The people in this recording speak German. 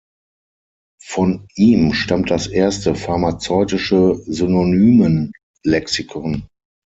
Von ihm stammt das erste pharmazeutische Synonymen-Lexikon.